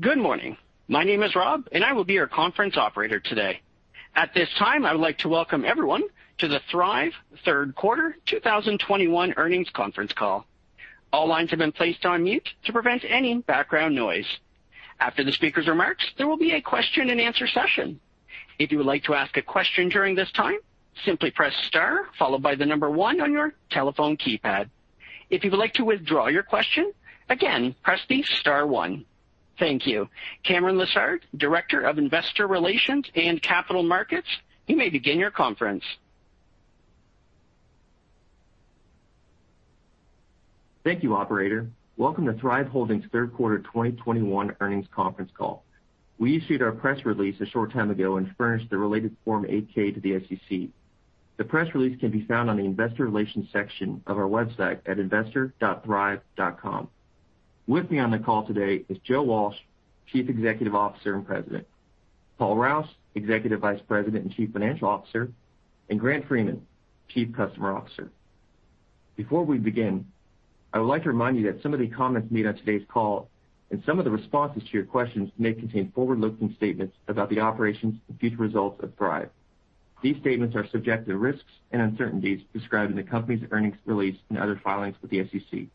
Good morning. My name is Rob, and I will be your conference operator today. At this time, I would like to welcome everyone to the Thryv Q3 2021 Earnings Conference Call. All lines have been placed on mute to prevent any background noise. After the speaker's remarks, there will be a question-and-answer session. If you would like to ask a question during this time, simply press star followed by the number 1 on your telephone keypad. If you would like to withdraw your question, again, press the star 1. Thank you. Cameron Lessard, Director of Investor Relations and Capital Markets, you may begin your conference. Thank you, operator. Welcome to Thryv Holdings' Q3 2021 Earnings Conference Call. We issued our press release a short time ago and furnished the related Form 8-K to the SEC. The press release can be found on the investor relations section of our website at investor.thryv.com. With me on the call today is Joe Walsh, Chief Executive Officer and President, Paul Rouse, Executive Vice President and Chief Financial Officer, and Grant Freeman, Chief Customer Officer. Before we begin, I would like to remind you that some of the comments made on today's call and some of the responses to your questions may contain forward-looking statements about the operations and future results of Thryv. These statements are subject to risks and uncertainties described in the company's earnings release and other filings with the SEC.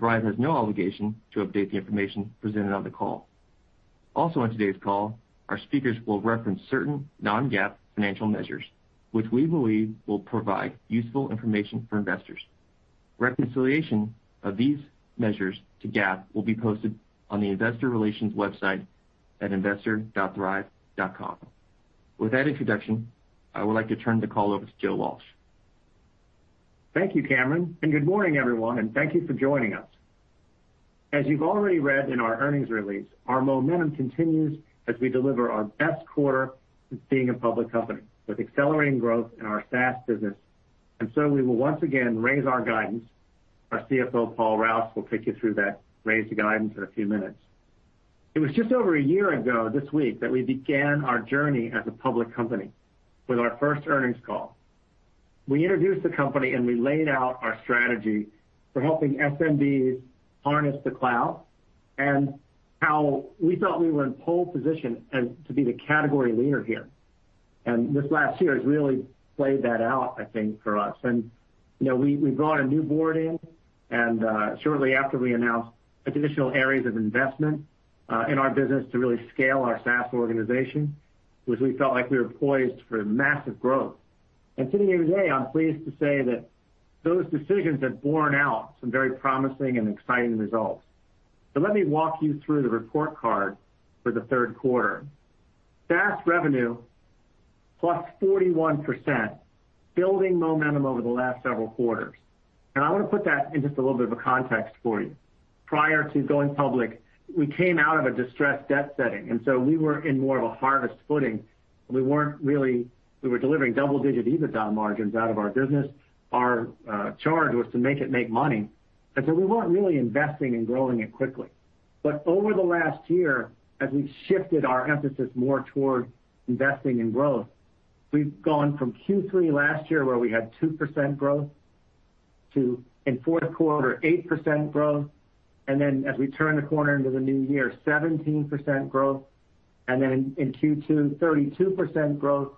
Thryv has no obligation to update the information presented on the call. Also on today's call, our speakers will reference certain non-GAAP financial measures, which we believe will provide useful information for investors. Reconciliation of these measures to GAAP will be posted on the investor relations website at investor.thryv.com. With that introduction, I would like to turn the call over to Joe Walsh. Thank you, Cameron, and good morning, everyone, and thank you for joining us. As you've already read in our earnings release, our momentum continues as we deliver our best quarter since being a public company with accelerating growth in our SaaS business. We will once again raise our guidance. Our CFO, Paul Rouse, will take you through that raised guidance in a few minutes. It was just over a year ago this week that we began our journey as a public company with our first earnings call. We introduced the company, and we laid out our strategy for helping SMBs harness the cloud and how we felt we were in pole position and to be the category leader here. This last year has really played that out, I think, for us. You know, we brought a new board in, and shortly after we announced additional areas of investment in our business to really scale our SaaS organization, which we felt like we were poised for massive growth. Sitting here today, I'm pleased to say that those decisions have borne out some very promising and exciting results. Let me walk you through the report card for Q3. SaaS revenue plus 41%, building momentum over the last several quarters. I wanna put that in just a little bit of a context for you. Prior to going public, we came out of a distressed debt setting, and so we were in more of a harvest footing. We were delivering double-digits EBITDA margins out of our business. Our charge was to make it make money, and so we weren't really investing in growing it quickly. Over the last year, as we've shifted our emphasis more toward investing in growth, we've gone from Q3 last year, where we had 2% growth to in Q4 8% growth, and then as we turn the corner into the new year 17% growth, and then in Q2 32% growth,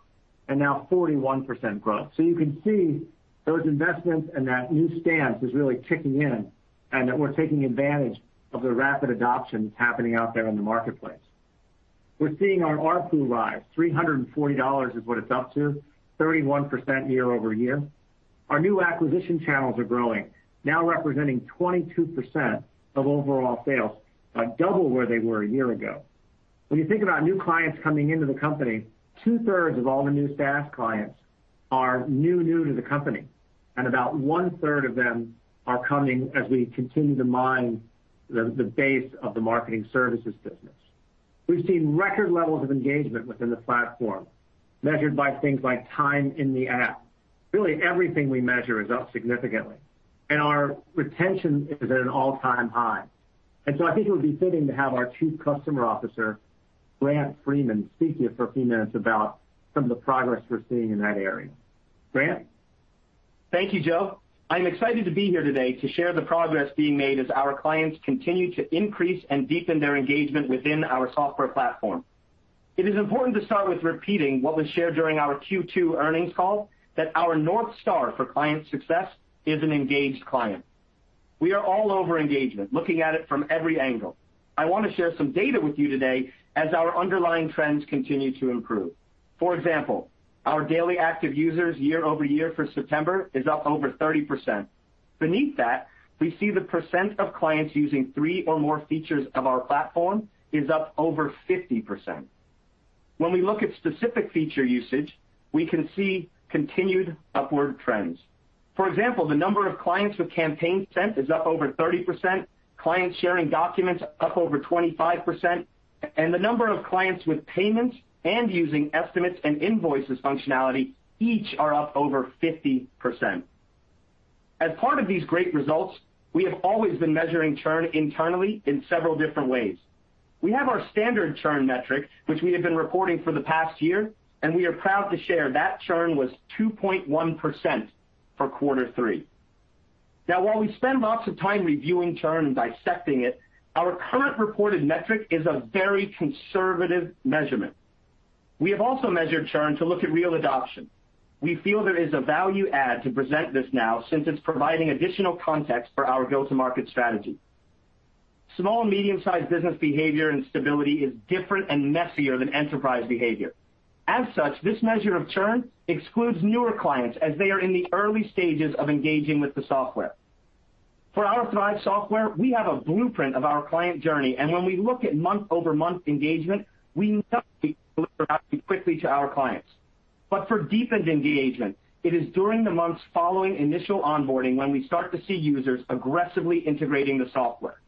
and now 41% growth. You can see those investments and that new stance is really kicking in, and that we're taking advantage of the rapid adoption that's happening out there in the marketplace. We're seeing our ARPU rise, $340 is what it's up to, 31% year-over-year. Our new acquisition channels are growing, now representing 22% of overall sales, double where they were a year ago. When you think about new clients coming into the company, two-thirds of all the new SaaS clients are new to the company, and about one-third of them are coming as we continue to mine the base of the Marketing Services business. We've seen record levels of engagement within the platform, measured by things like time in the app. Really everything we measure is up significantly, and our retention is at an all-time high. I think it would be fitting to have our Chief Customer Officer, Grant Freeman, speak to you for a few minutes about some of the progress we're seeing in that area. Grant? Thank you, Joe. I'm excited to be here today to share the progress being made as our clients continue to increase and deepen their engagement within our software platform. It is important to start with repeating what was shared during our Q2 earnings call that our North Star for client success is an engaged client. We are all over engagement, looking at it from every angle. I wanna share some data with you today as our underlying trends continue to improve. For example, our daily active users year-over-year for September is up over 30%. Beneath that, we see the percent of clients using three or more features of our platform is up over 50%. When we look at specific feature usage, we can see continued upward trends. For example, the number of clients with campaigns sent is up over 30%, clients sharing documents up over 25%, and the number of clients with payments and using estimates and invoices functionality each are up over 50%. As part of these great results, we have always been measuring churn internally in several different ways. We have our standard churn metric, which we have been reporting for the past year, and we are proud to share that churn was 2.1% for quarter three. Now, while we spend lots of time reviewing churn and dissecting it, our current reported metric is a very conservative measurement. We have also measured churn to look at real adoption. We feel there is a value add to present this now, since it's providing additional context for our go-to-market strategy. Small and medium-sized business behavior and stability is different and messier than enterprise behavior. As such, this measure of churn excludes newer clients as they are in the early stages of engaging with the software. For our Thryv software, we have a blueprint of our client journey, and when we look at month-over-month engagement, we quickly get to our clients. For deepened engagement, it is during the months following initial onboarding when we start to see users aggressively integrating the software.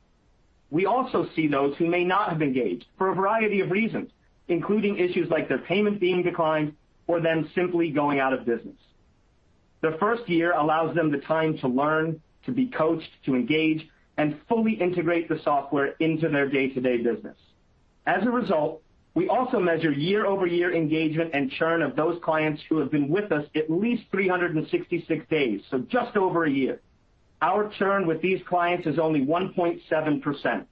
We also see those who may not have engaged for a variety of reasons, including issues like their payment being declined or them simply going out of business. The first year allows them the time to learn, to be coached, to engage, and fully integrate the software into their day-to-day business. As a result, we also measure year-over-year engagement and churn of those clients who have been with us at least 366 days, so just over a year. Our churn with these clients is only 1.7%,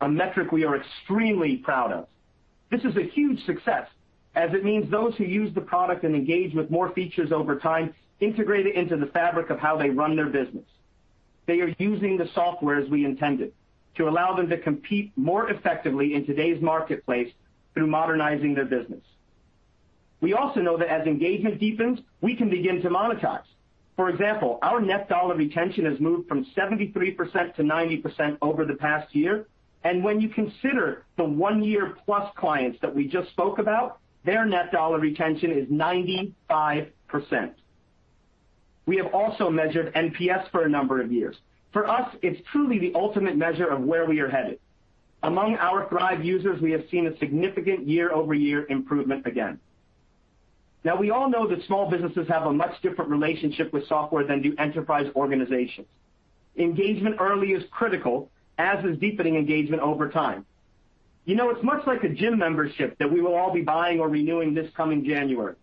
a metric we are extremely proud of. This is a huge success, as it means those who use the product and engage with more features over time integrate it into the fabric of how they run their business. They are using the software as we intended, to allow them to compete more effectively in today's marketplace through modernizing their business. We also know that as engagement deepens, we can begin to monetize. For example, our net dollar retention has moved from 73% to 90% over the past year, and when you consider the one-year-plus clients that we just spoke about, their net dollar retention is 95%. We have also measured NPS for a number of years. For us, it's truly the ultimate measure of where we are headed. Among our Thryv users, we have seen a significant year-over-year improvement again. Now, we all know that small businesses have a much different relationship with software than do enterprise organizations. Engagement early is critical, as is deepening engagement over time. You know, it's much like a gym membership that we will all be buying or renewing this coming January.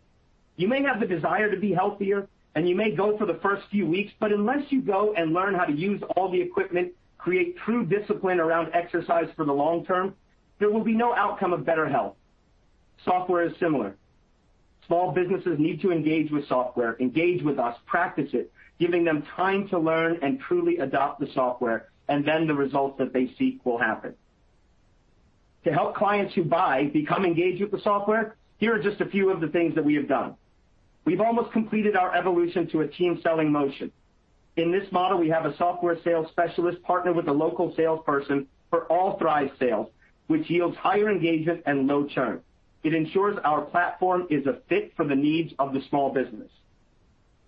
You may have the desire to be healthier, and you may go for the first few weeks, but unless you go and learn how to use all the equipment, create true discipline around exercise for the long-term, there will be no outcome of better health. Software is similar. Small businesses need to engage with software, engage with us, practice it, giving them time to learn and truly adopt the software, and then the results that they seek will happen. To help clients who buy become engaged with the software, here are just a few of the things that we have done. We've almost completed our evolution to a team-selling motion. In this model, we have a software sales specialist partnered with a local salesperson for all Thryv sales, which yields higher engagement and low churn. It ensures our platform is a fit for the needs of the small business.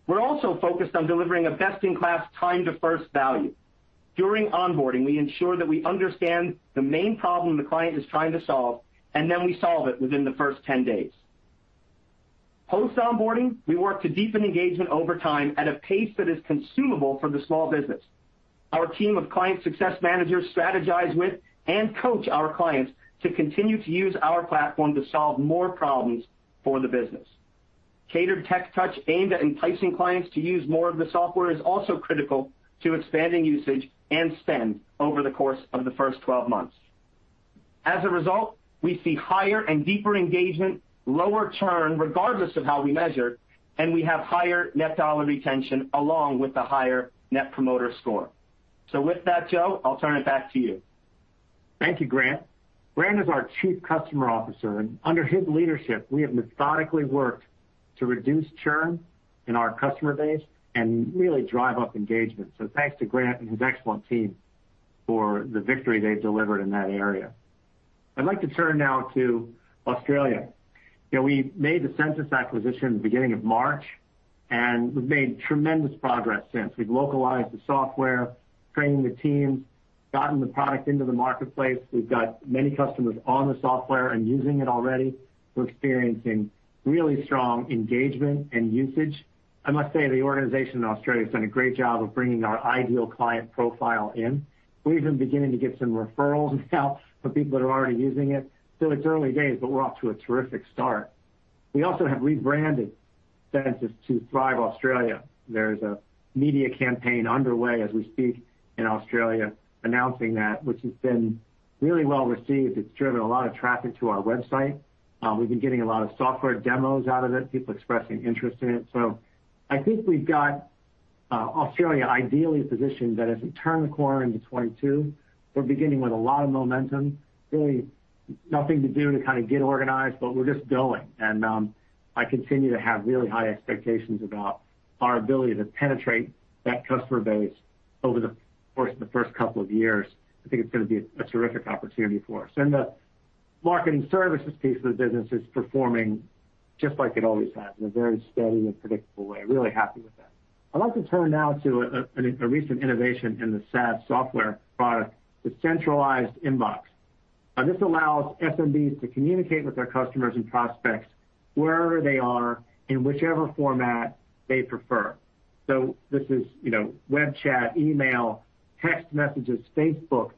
We're also focused on delivering a best-in-class time to first value. During onboarding, we ensure that we understand the main problem the client is trying to solve, and then we solve it within the first 10 days. Post-onboarding, we work to deepen engagement over time at a pace that is consumable for the small business. Our team of client success managers strategize with and coach our clients to continue to use our platform to solve more problems for the business. Catered tech touch aimed at enticing clients to use more of the software is also critical to expanding usage and spend over the course of the first 12 months. As a result, we see higher and deeper engagement, lower churn, regardless of how we measure, and we have higher net dollar retention along with a higher net promoter score. With that, Joe, I'll turn it back to you. Thank you, Grant. Grant is our Chief Customer Officer, and under his leadership, we have methodically worked to reduce churn in our customer base and really drive up engagement. Thanks to Grant and his excellent team for the victory they delivered in that area. I'd like to turn now to Australia. You know, we made the Sensis acquisition the beginning of March, and we've made tremendous progress since. We've localized the software, training the teams, gotten the product into the marketplace. We've got many customers on the software and using it already. We're experiencing really strong engagement and usage. I must say, the organization in Australia has done a great job of bringing our ideal client profile in. We're even beginning to get some referrals now from people that are already using it. It's early days, but we're off to a terrific start. We also have rebranded Sensis to Thryv Australia. There's a media campaign underway as we speak in Australia announcing that, which has been really well received. It's driven a lot of traffic to our website. We've been getting a lot of software demos out of it, people expressing interest in it. I think we've got Australia ideally positioned that as we turn the corner into 2022, we're beginning with a lot of momentum. Really nothing to do to kind of get organized, but we're just going. I continue to have really high expectations about our ability to penetrate that customer base over the course of the first couple of years. I think it's gonna be a terrific opportunity for us. The Marketing Services piece of the business is performing just like it always has, in a very steady and predictable way. Really happy with that. I'd like to turn now to a recent innovation in the SaaS software product, the centralized inbox. This allows SMBs to communicate with their customers and prospects wherever they are in whichever format they prefer. This is, you know, web chat, email, text messages, Facebook,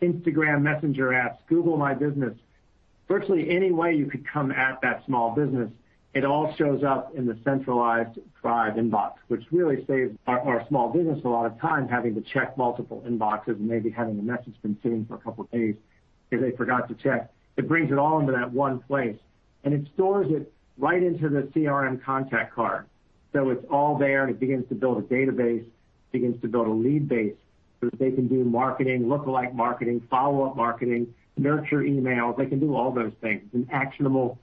Instagram Direct apps, Google My Business. Virtually any way you could come at that small business, it all shows up in the centralized Thryv inbox, which really saves our small business a lot of time having to check multiple inboxes and maybe having a message been sitting for a couple of days if they forgot to check. It brings it all into that one place, and it stores it right into the CRM contact card. It's all there, and it begins to build a database, begins to build a lead base, so that they can do marketing, lookalike marketing, follow-up marketing, nurture emails. They can do all those things in actionable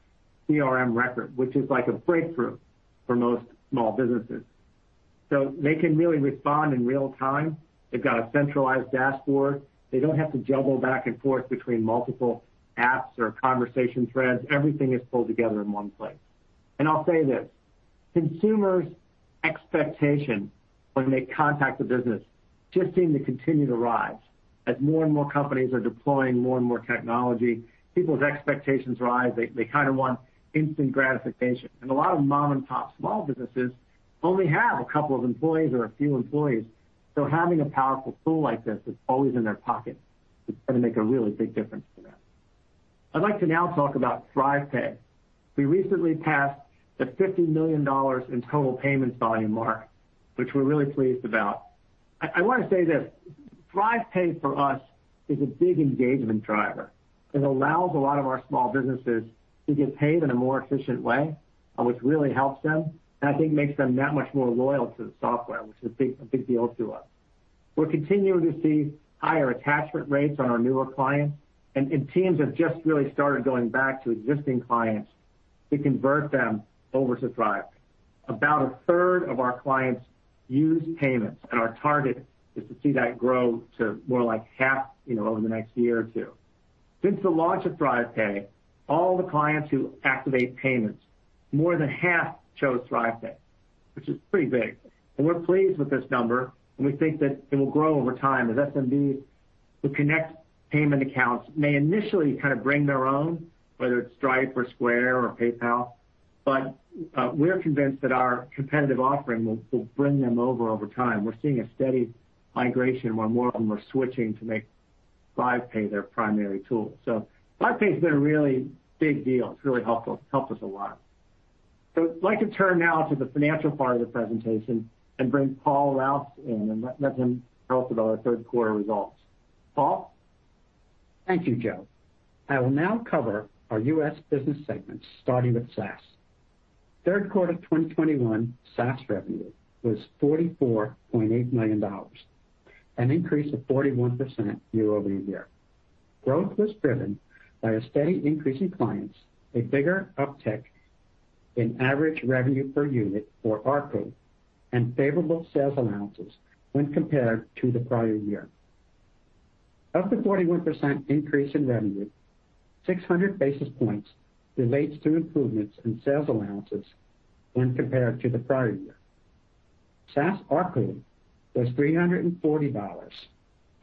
CRM record, which is like a breakthrough for most small businesses. They can really respond in real time. They've got a centralized dashboard. They don't have to juggle back and forth between multiple apps or conversation threads. Everything is pulled together in one place. I'll say this, consumers' expectation when they contact a business just seem to continue to rise. As more and more companies are deploying more and more technology, people's expectations rise. They kinda want instant gratification. A lot of mom-and-pop small businesses only have a couple of employees or a few employees, so having a powerful tool like this is always in their pocket. It's gonna make a really big difference for them. I'd like to now talk about ThryvPay. We recently passed the $50 million in total payments volume mark, which we're really pleased about. I wanna say this, ThryvPay for us is a big engagement driver. It allows a lot of our small businesses to get paid in a more efficient way, which really helps them, and I think makes them that much more loyal to the software, which is a big deal to us. We're continuing to see higher attachment rates on our newer clients, and teams have just really started going back to existing clients to convert them over to Thryv. About a third of our clients use payments, and our target is to see that grow to more like half, you know, over the next year or two. Since the launch of ThryvPay, all the clients who activate payments, more than half chose ThryvPay, which is pretty big. We're pleased with this number, and we think that it will grow over time as SMB who connect payment accounts may initially kinda bring their own, whether it's Stripe or Square or PayPal, but we're convinced that our competitive offering will bring them over time. We're seeing a steady migration where more of them are switching to make ThryvPay their primary tool. ThryvPay's been a really big deal. It's really helpful. It's helped us a lot. I'd like to turn now to the financial part of the presentation and bring Paul Rouse in and let him tell us about our Q3 results. Paul? Thank you, Joe. I will now cover our U.S. business segments, starting with SaaS. Q3 2021 SaaS revenue was $44.8 million, an increase of 41% year-over-year. Growth was driven by a steady increase in clients, a bigger uptick in average revenue per unit or ARPU, and favorable sales allowances when compared to the prior-year. Of the 41% increase in revenue, 600 basis points relates to improvements in sales allowances when compared to the prior year. SaaS ARPU was $340,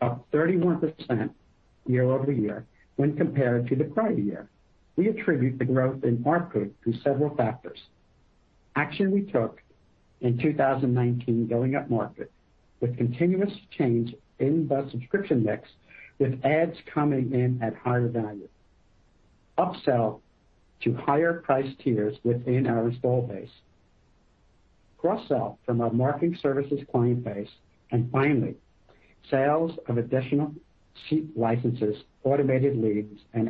up 31% year-over-year when compared to the prior-year. We attribute the growth in ARPU to several factors. Action we took in 2019, going upmarket with continuous change in the subscription mix, with ads coming in at higher value. Upsell to higher price tiers within our install base. Cross-sell from our Marketing Services client base, and finally, sales of additional seat licenses, automated leads, and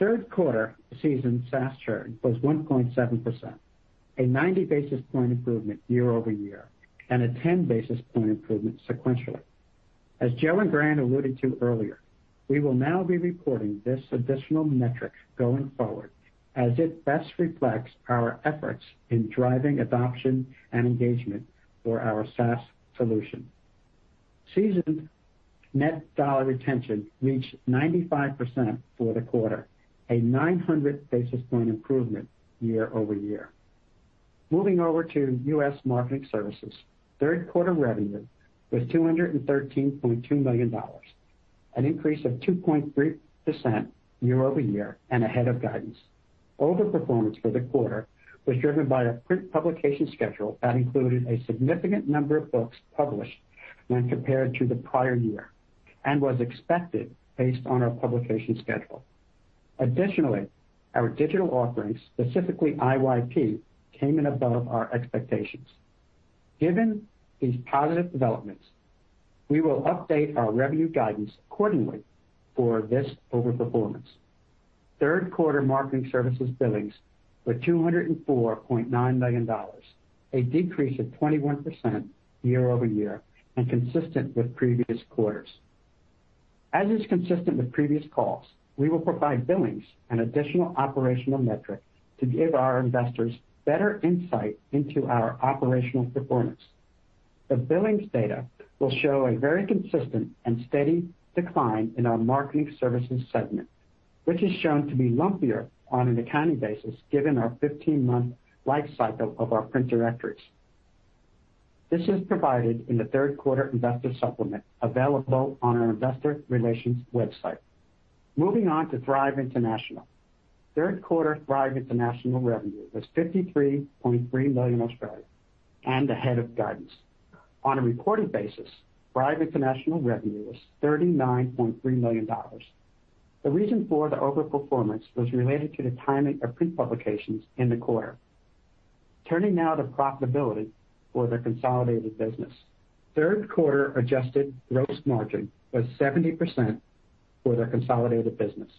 add-ons. Q3 seasoned SaaS churn was 1.7%, a 90 basis point improvement year-over-year, and a 10 basis point improvement sequentially. As Joe and Grant alluded to earlier, we will now be reporting this additional metric going forward, as it best reflects our efforts in driving adoption and engagement for our SaaS solution. Seasoned net dollar retention reached 95% for the quarter, a 900 basis point improvement year-over-year. Moving over to U.S. Marketing Services. Q3 revenue was $213.2 million, an increase of 2.3% year-over-year and ahead of guidance. Overperformance for the quarter was driven by a print publication schedule that included a significant number of books published when compared to the prior-year and was expected based on our publication schedule. Additionally, our digital offerings, specifically IYP, came in above our expectations. Given these positive developments, we will update our revenue guidance accordingly for this overperformance. Q3 Marketing Services billings were $204.9 million, a decrease of 21% year-over-year and consistent with previous quarters. As is consistent with previous calls, we will provide billings as an additional operational metric to give our investors better insight into our operational performance. The billings data will show a very consistent and steady decline in our Marketing Services segment, which is shown to be lumpier on an accounting basis given our 15-month life cycle of our print directories. This is provided in Q3 investor supplement available on our investor relations website. Moving on to Thryv International. Q3 Thryv International revenue was 53.3 million and ahead of guidance. On a reported basis, Thryv International revenue was $39.3 million. The reason for the overperformance was related to the timing of print publications in the quarter. Turning now to profitability for the consolidated business. Q3 adjusted gross margin was 70% for the consolidated business.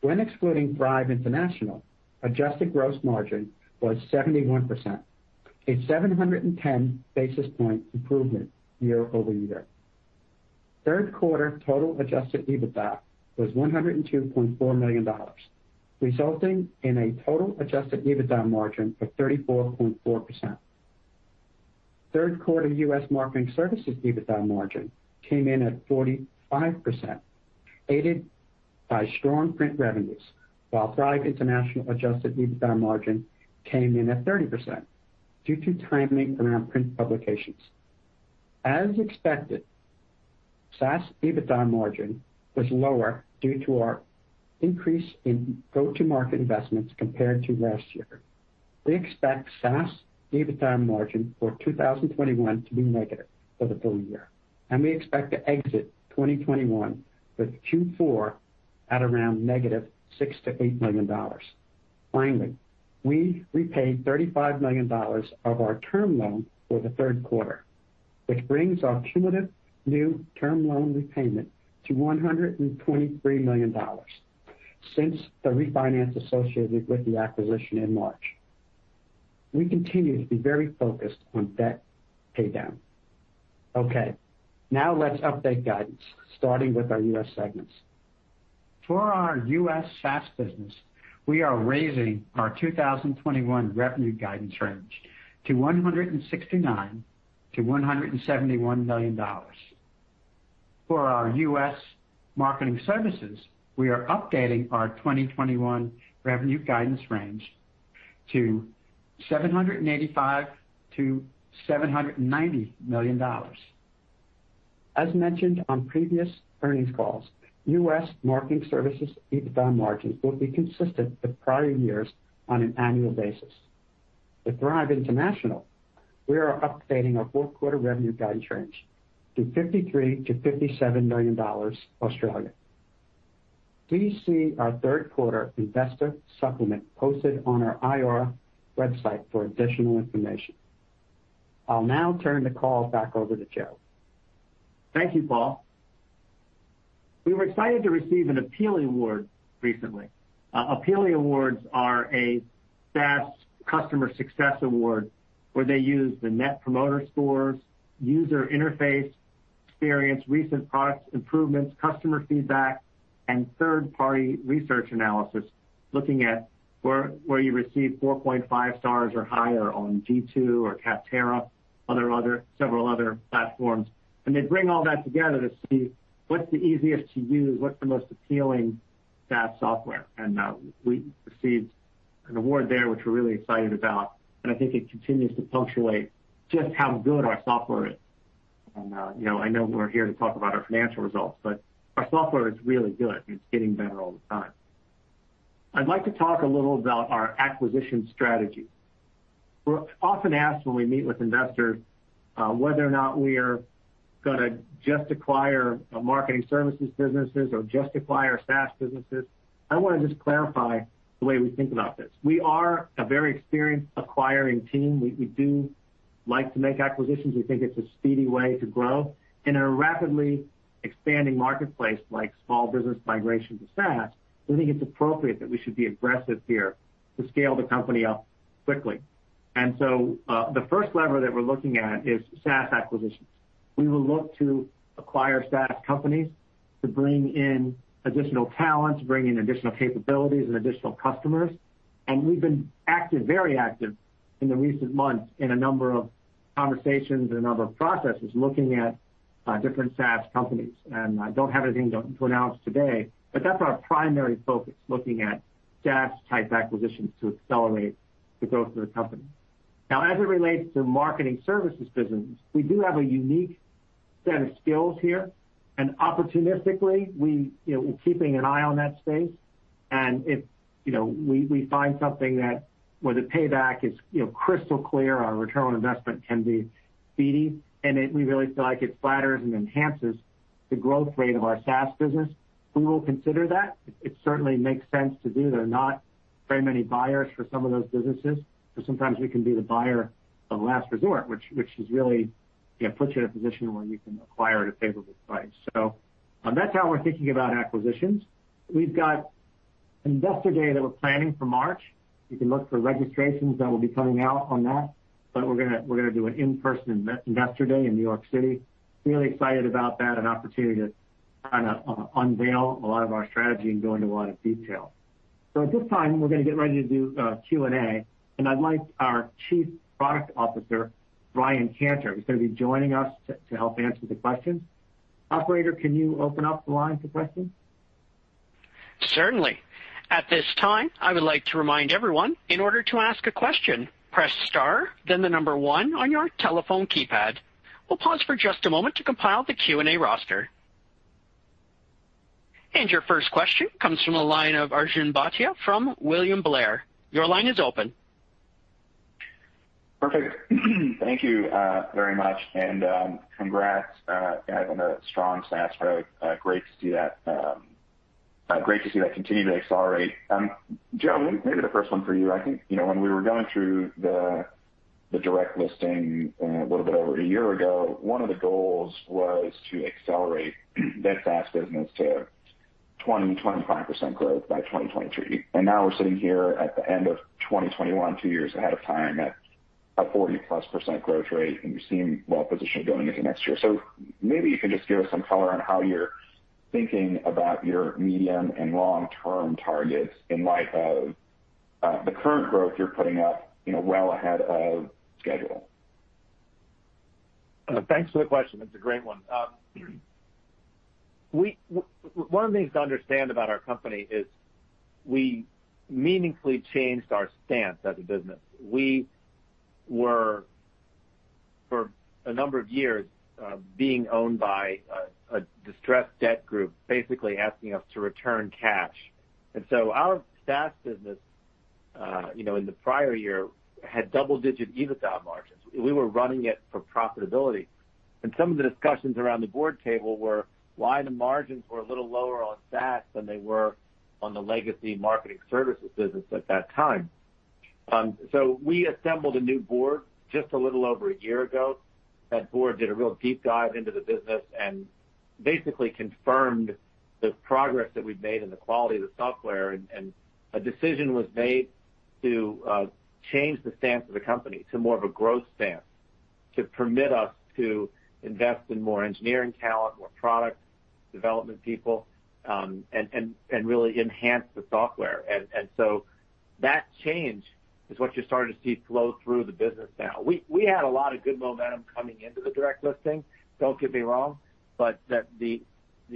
When excluding Thryv International, adjusted gross margin was 71%, a 710 basis point improvement year-over-year. Q3 total adjusted EBITDA was $102.4 million, resulting in a total adjusted EBITDA margin of 34.4%. Q3 U.S. Marketing Services EBITDA margin came in at 45%, aided by strong print revenues, while Thryv International adjusted EBITDA margin came in at 30% due to timing around print publications. As expected, SaaS EBITDA margin was lower due to our increase in go-to-market investments compared to last year. We expect SaaS EBITDA margin for 2021 to be negative for the full-year, and we expect to exit 2021 with Q4 at around -$6 million-$8 million. Finally, we repaid $35 million of our term loan for the third quarter, which brings our cumulative new term loan repayment to $123 million since the refinance associated with the acquisition in March. We continue to be very focused on debt pay down. Okay, now let's update guidance, starting with our U.S. segments. For our U.S. SaaS business, we are raising our 2021 revenue guidance range to $169 million-$171 million. For our U.S. Marketing Services, we are updating our 2021 revenue guidance range to $785 million-$790 million. As mentioned on previous earnings calls, U.S. Marketing Services EBITDA margins will be consistent with prior-years on an annual basis. At Thryv International, we are updating our Q4 revenue guidance range to 53 million-57 million dollars. Please see our Q3 investor supplement posted on our IR website for additional information. I'll now turn the call back over to Joe. Thank you, Paul. We were excited to receive an APPEALIE Award recently. APPEALIE Awards are a SaaS customer success award where they use the net promoter scores, user interface experience, recent product improvements, customer feedback, and third-party research analysis, looking at where you receive 4.5 stars or higher on G2 or Capterra, several other platforms. They bring all that together to see what's the easiest to use, what's the most appealing SaaS software. We received an award there which we're really excited about, and I think it continues to punctuate just how good our software is. You know, I know we're here to talk about our financial results, but our software is really good and it's getting better all the time. I'd like to talk a little about our acquisition strategy. We're often asked when we meet with investors, whether or not we are gonna just acquire, marketing services businesses or just acquire SaaS businesses. I wanna just clarify the way we think about this. We are a very experienced acquiring team. We do like to make acquisitions. We think it's a speedy way to grow. In a rapidly expanding marketplace like small business migration to SaaS, we think it's appropriate that we should be aggressive here to scale the company up quickly. The first lever that we're looking at is SaaS acquisitions. We will look to acquire SaaS companies to bring in additional talents, bring in additional capabilities and additional customers. We've been active, very active in the recent months in a number of conversations and a number of processes looking at, different SaaS companies. I don't have anything to announce today, but that's our primary focus, looking at SaaS-type acquisitions to accelerate the growth of the company. Now, as it relates to Marketing Services business, we do have a unique set of skills here. Opportunistically, you know, we're keeping an eye on that space. If, you know, we find something that where the payback is, you know, crystal clear, our return on investment can be speedy, and we really feel like it flatters and enhances the growth rate of our SaaS business, we will consider that. It certainly makes sense to do. There are not very many buyers for some of those businesses, so sometimes we can be the buyer of last resort, which is really, you know, puts you in a position where you can acquire at a favorable price. That's how we're thinking about acquisitions. We've got Investor Day that we're planning for March. You can look for registrations that will be coming out on that, but we're gonna do an in-person investor day in New York City. Really excited about that, an opportunity to kinda unveil a lot of our strategy and go into a lot of detail. At this time, we're gonna get ready to do Q&A, and I'd like our Chief Product Officer, Ryan Cantor, who's gonna be joining us to help answer the questions. Operator, can you open up the line for questions? Certainly. At this time, I would like to remind everyone, in order to ask a question, press star then the number one on your telephone keypad. We'll pause for just a moment to compile the Q&A roster. Your first question comes from the line of Arjun Bhatia from William Blair. Your line is open. Perfect. Thank you very much, and congrats on a strong SaaS growth. Great to see that continue to accelerate. Joe, maybe the first one for you. I think, you know, when we were going through the direct listing a little bit over a year ago, one of the goals was to accelerate that SaaS business to 20-25% growth by 2023. Now we're sitting here at the end of 2021, two-years ahead of time at a 40+% growth rate, and you seem well-positioned going into next year. Maybe you can just give us some color on how you're thinking about your medium and long-term targets in light of the current growth you're putting up, you know, well ahead of schedule. Thanks for the question. It's a great one. One of the things to understand about our company is we meaningfully changed our stance as a business. We were, for a number of years, being owned by a distressed debt group, basically asking us to return cash. Our SaaS business, you know, in the prior-year had double-digits EBITDA margins. We were running it for profitability. Some of the discussions around the board table were why the margins were a little lower on SaaS than they were on the legacy Marketing Services business at that time. We assembled a new board just a little over a year ago. That board did a real deep dive into the business and basically confirmed the progress that we've made and the quality of the software, and a decision was made to change the stance of the company to more of a growth stance to permit us to invest in more engineering talent, more product development people, and really enhance the software. That change is what you're starting to see flow through the business now. We had a lot of good momentum coming into the direct listing, don't get me wrong. The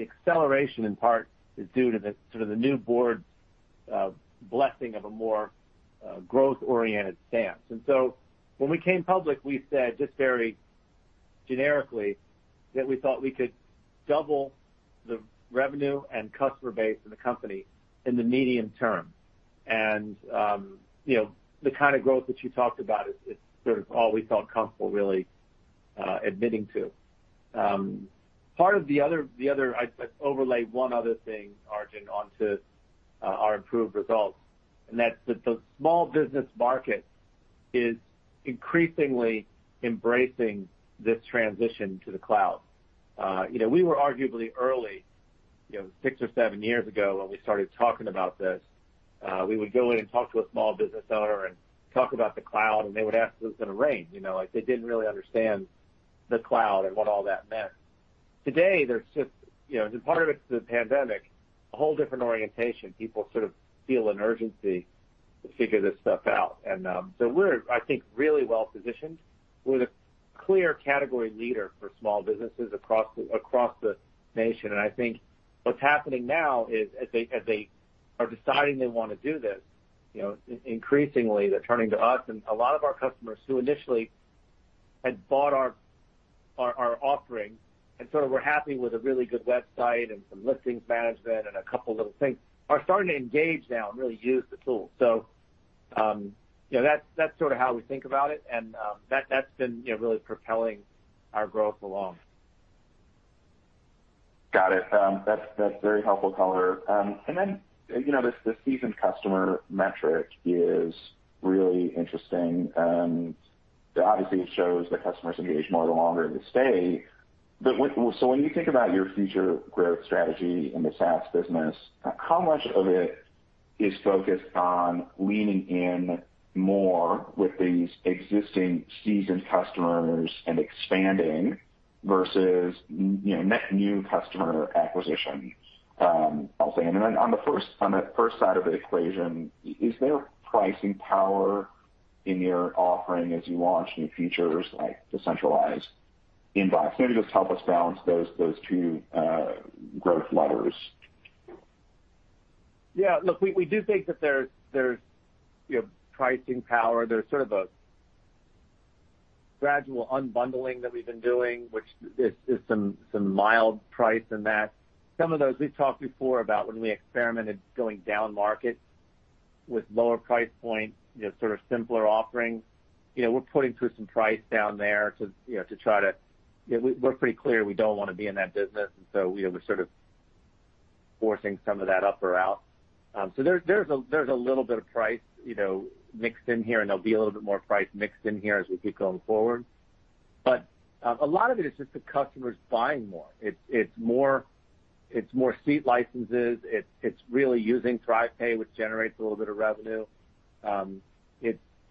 acceleration in part is due to the sort of the new board blessing of a more growth-oriented stance. When we came public, we said just very generically that we thought we could double the revenue and customer base in the company in the medium term. You know, the kind of growth that you talked about is sort of all we felt comfortable really admitting to. I'd overlay one other thing, Arjun, onto our improved results, and that's that the small business market is increasingly embracing this transition to the cloud. You know, we were arguably early, you know, six or seven years ago, when we started talking about this. We would go in and talk to a small business owner and talk about the cloud, and they would ask if it was gonna rain. You know. Like, they didn't really understand the cloud and what all that meant. Today, there's just, you know, and part of it's the pandemic, a whole different orientation. People sort of feel an urgency to figure this stuff out. We're, I think, really well-positioned. We're the clear category leader for small businesses across the nation. I think what's happening now is as they are deciding they wanna do this, you know, increasingly, they're turning to us. A lot of our customers who initially had bought our offering and sort of were happy with a really good website and some listings management and a couple little things are starting to engage now and really use the tool. You know, that's sort of how we think about it. That's been, you know, really propelling our growth along. Got it. That's very helpful color. You know, the seasoned customer metric is really interesting. Obviously it shows that customers engage more the longer they stay. When you think about your future growth strategy in the SaaS business, how much of it is focused on leaning in more with these existing seasoned customers and expanding versus, you know, net new customer acquisition? I'll say, and then on the first side of the equation, is there pricing power in your offering as you launch new features like the centralized inbox? Maybe just help us balance those two growth levers. Yeah. Look, we do think that there's, you know, pricing power. There's sort of a gradual unbundling that we've been doing, which is some mild pricing in that. Some of those we've talked before about when we experimented going down-market with lower price point, you know, sort of simpler offerings. You know, we're putting through some pricing down there to, you know, to try to. You know, we're pretty clear we don't wanna be in that business, and so, you know, we're sort of forcing some of that up or out. There's a little bit of pricing, you know, mixed in here, and there'll be a little bit more pricing mixed in here as we keep going forward. A lot of it is just the customers buying more. It's more seat licenses. It's really using ThryvPay, which generates a little bit of revenue.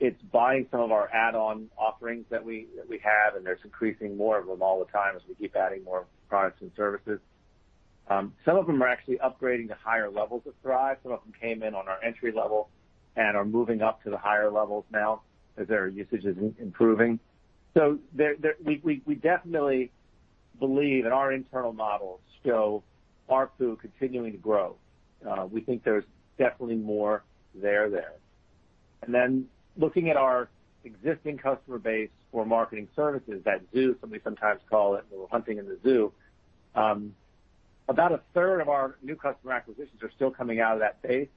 It's buying some of our add-on offerings that we have, and there's increasing more of them all the time as we keep adding more products and services. Some of them are actually upgrading to higher levels of Thryv. Some of them came in on our entry level and are moving up to the higher levels now as their usage is improving. We definitely believe, and our internal models show ARPU continuing to grow. We think there's definitely more there there. Then looking at our existing customer base for Marketing Services, that too. Somebody sometimes calls it hunting in the zoo. About a third of our new customer acquisitions are still coming out of that base,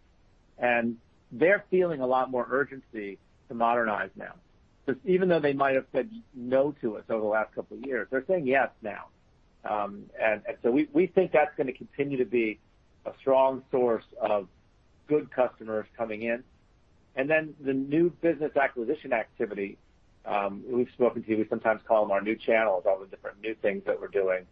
and they're feeling a lot more urgency to modernize now because even though they might have said no to us over the last couple of years, they're saying yes now. We think that's gonna continue to be a strong source of good customers coming in. Then the new business acquisition activity, we've spoken to, we sometimes call them our new channels. All the different new things that we're doing,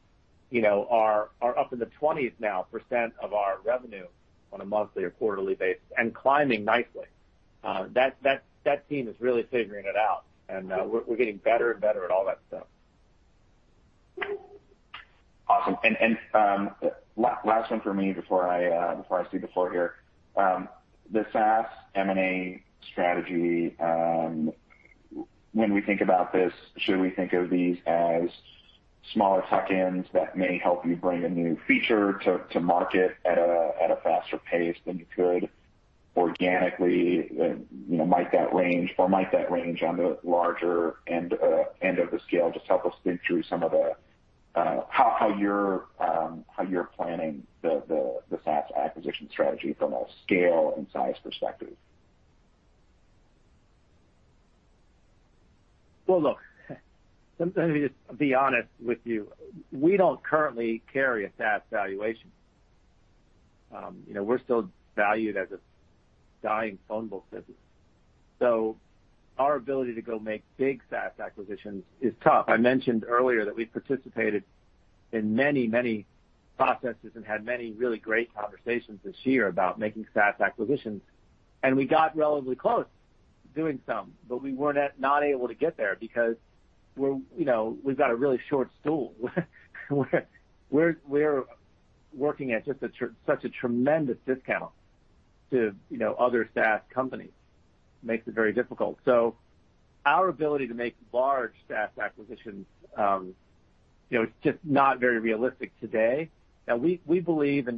you know, are up in the 20s now, % of our revenue on a monthly or quarterly basis and climbing nicely. That team is really figuring it out. We're getting better and better at all that stuff. Awesome. Last one for me before I cede the floor here. The SaaS M&A strategy, when we think about this, should we think of these as smaller tuck-ins that may help you bring a new feature to market at a faster pace than you could organically? You know, might that range on the larger end of the scale? Just help us think through some of the how you're planning the SaaS acquisition strategy from a scale and size perspective. Well, look, let me just be honest with you. We don't currently carry a SaaS valuation. You know, we're still valued as a dying phone book business, so our ability to go make big SaaS acquisitions is tough. I mentioned earlier that we participated in many processes and had many really great conversations this year about making SaaS acquisitions. We got relatively close to doing some, but we weren't able to get there because you know, we've got a really short stool. We're working at just such a tremendous discount to you know, other SaaS companies. Makes it very difficult. Our ability to make large SaaS acquisitions, you know, it's just not very realistic today. Now we believe as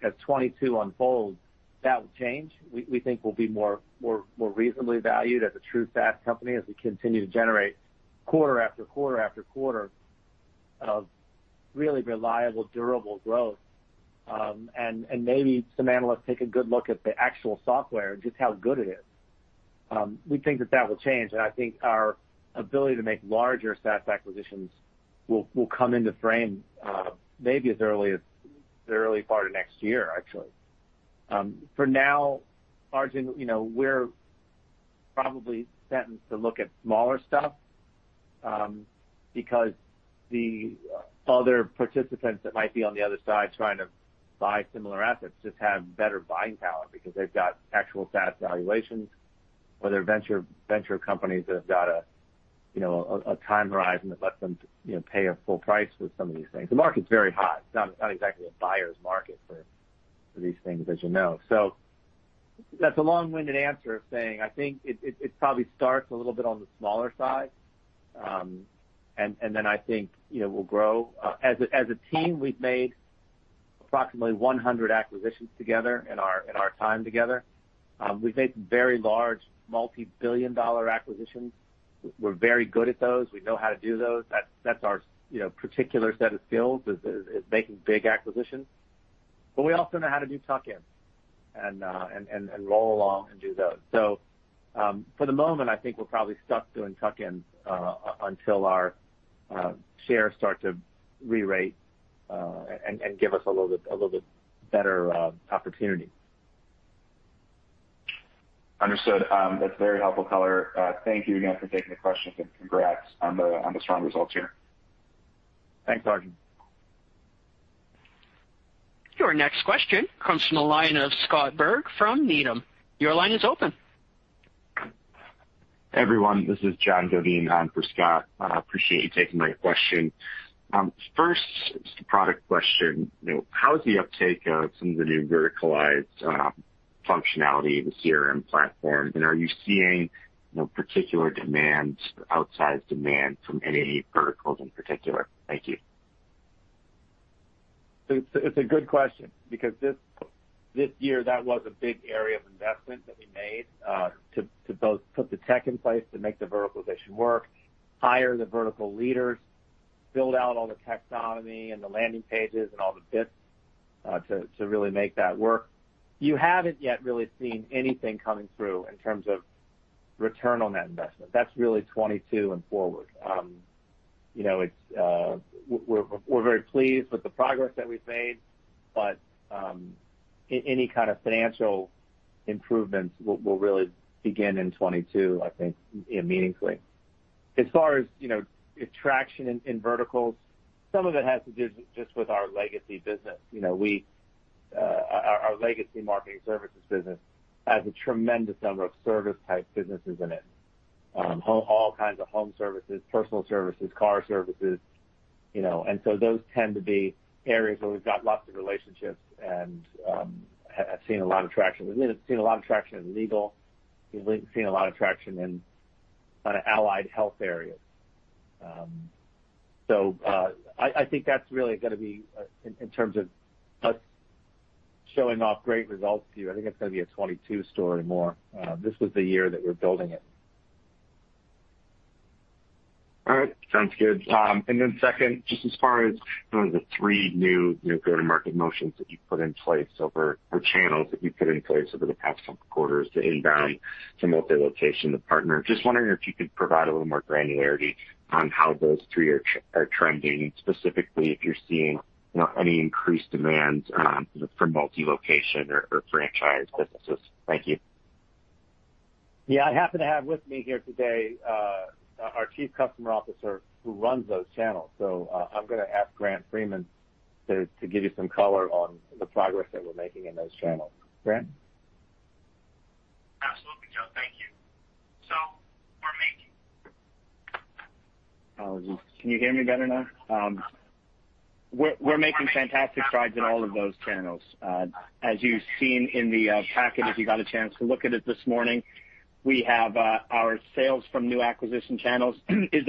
2022 unfolds, that will change. We think we'll be more reasonably valued as a true SaaS company as we continue to generate quarter-after-quarter of really reliable, durable growth. Maybe some analysts take a good look at the actual software and just how good it is. We think that will change, and I think our ability to make larger SaaS acquisitions will come into frame, maybe as early as the early part of next year, actually. For now, Arjun, you know, we're probably consigned to look at smaller stuff, because the other participants that might be on the other side trying to buy similar assets just have better buying power because they've got actual SaaS valuations or they're venture companies that have got a time horizon that lets them, you know, pay a full price for some of these things. The market's very hot. It's not exactly a buyer's market for these things, as you know. That's a long-winded answer of saying I think it probably starts a little bit on the smaller side. I think, you know, we'll grow. As a team, we've made approximately 100 acquisitions together in our time together. We've made some very large multi-billion-dollar acquisitions. We're very good at those. We know how to do those. That's our, you know, particular set of skills is making big acquisitions. We also know how to do tuck-ins and roll along and do those. For the moment, I think we're probably stuck doing tuck-ins until our shares start to rerate and give us a little bit better opportunity. Understood. That's very helpful, color. Thank you again for taking the questions and congrats on the strong results here. Thanks, Arjun. Your next question comes from the line of Scott Berg from Needham. Your line is open. Everyone, this is John Doveen on for Scott. I appreciate you taking my question. First, just a product question. You know, how is the uptake of some of the new verticalized functionality of the CRM platform? And are you seeing, you know, particular demand, outsized demand from any verticals in particular? Thank you. It's a good question because this year, that was a big area of investment that we made to both put the tech in place to make the verticalization work, hire the vertical leaders, build out all the taxonomy and the landing pages and all the bits to really make that work. You haven't yet really seen anything coming through in terms of return on that investment. That's really 2022 and forward. You know, we're very pleased with the progress that we've made, but any kind of financial improvements will really begin in 2022, I think, you know, meaningfully. As far as, you know, traction in verticals, some of it has to do just with our legacy business. You know, our legacy Marketing Services business has a tremendous number of service-type businesses in it. All kinds of home services, personal services, car services, you know. Those tend to be areas where we've got lots of relationships and have seen a lot of traction. We've seen a lot of traction in legal. We've seen a lot of traction in kind of allied health areas. I think that's really gonna be in terms of us showing off great results to you. I think it's gonna be a 22 story more. This was the year that we're building it. All right. Sounds good. Second, just as far as one of the three new go-to-market channels that you put in place over the past couple quarters, the inbound to multi-location to partner. Just wondering if you could provide a little more granularity on how those three are trending, specifically if you're seeing, you know, any increased demand for multi-location or franchise businesses. Thank you. Yeah. I happen to have with me here today, our Chief Customer Officer who runs those channels. I'm gonna ask Grant Freeman to give you some color on the progress that we're making in those channels. Grant? Absolutely, Joe. Thank you. We're making fantastic strides in all of those channels. As you've seen in the packet, if you got a chance to look at it this morning, we have our sales from new acquisition channels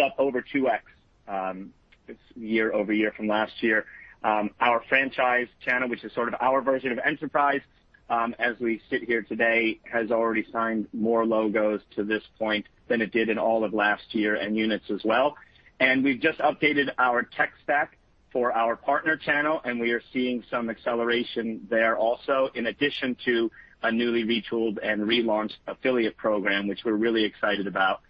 up over 2x, it's year-over-year from last year. Our franchise channel, which is sort of our version of enterprise, as we sit here today, has already signed more logos to this point than it did in all of last year, and units as well. We've just updated our tech stack for our partner channel, and we are seeing some acceleration there also, in addition to a newly retooled and relaunched affiliate program, which we're really excited about,